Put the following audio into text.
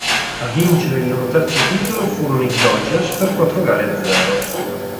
A vincere il loro terzo titolo furono i Dodgers per quattro gare a zero.